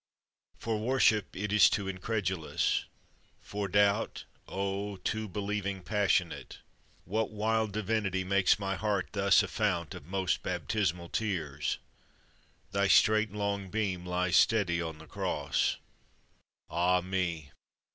For worship it is too incredulous, For doubt oh, too believing passionate! What wild divinity makes my heart thus A fount of most baptismal tears? Thy straight Long beam lies steady on the Cross. Ah me!